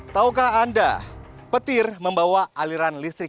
taukah anda petir membawa aliran listrik